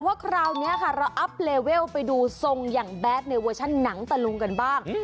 ว่าคราวนี้ค่ะเราอัพเลเวลไปดูทรงอย่างแดดในเวอร์ชั่นหนังตะลุงกันบ้าง